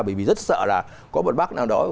bởi vì rất sợ là có một bác nào đó